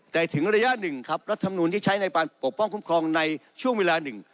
แต่ถึงระยะหนึ่งครับรัฐมนูลที่ใช้ในการปกป้องคุ้มครองในช่วงเวลาหนึ่ง